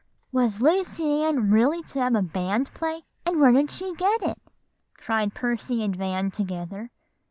"Was Lucy Ann really to have a band play? And where did she get it?" cried Percy and Van together.